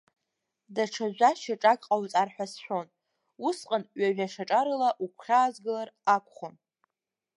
Даҽа жәа-шьаҿак ҟауҵар ҳәа сшәон, усҟан ҩажәа шьаҿа рыла угәхьаазгалар акәхон…